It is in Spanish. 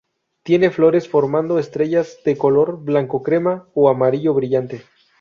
Tiene flores formando estrellas de color blanco-crema o amarillo brillante.